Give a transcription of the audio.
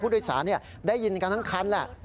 ผู้โดยสารได้ยินกันทั้งคันแหละ